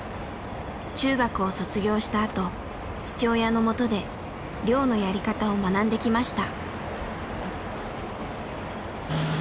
中学を卒業したあと父親の下で漁のやり方を学んできました。